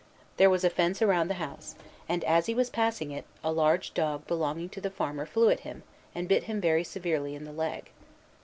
There was a fence around the house, and, as he was passing it, a large dog belonging to the farmer flew at him, and bit him very severely in the leg.